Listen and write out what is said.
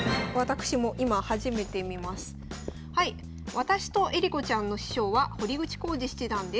「私と恵梨子ちゃんの師匠は堀口弘治七段です。